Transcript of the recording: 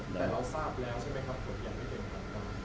แต่เราทราบแล้วใช่ไหมครับผลยังไม่เป็นผลงาน